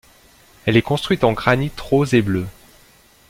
Elle est construite en granits roses et bleus.